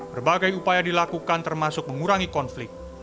berbagai upaya dilakukan termasuk mengurangi konflik